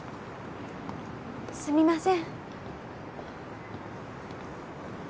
すみません。